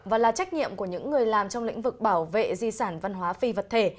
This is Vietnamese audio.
và là trách nhiệm của những người làm trong lĩnh vực bảo vệ di sản văn hóa phi vật thể